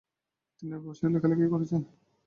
তিনি আরবি ভাষায় লেখালেখি করেছেন।